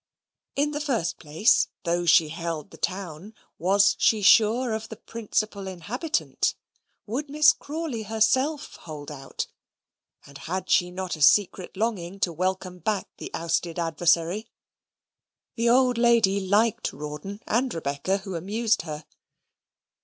In the first place, though she held the town, was she sure of the principal inhabitant? Would Miss Crawley herself hold out; and had she not a secret longing to welcome back the ousted adversary? The old lady liked Rawdon, and Rebecca, who amused her.